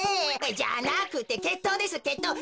じゃなくてけっとうですけっとう。